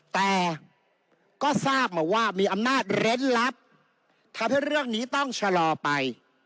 แต่ก็ทราบมาว่ามีอำนาจเร้นลับทำให้เรื่องนี้ต้องชะลอไป